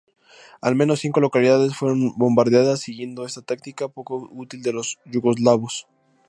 Al menos cinco localidades fueron bombardeadas siguiendo esa táctica, poco útil, de los yugoslavos.